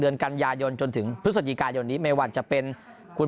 เดือนกันยายนจนถึงพฤศจิกายนนี้ไม่ว่าจะเป็นคุณ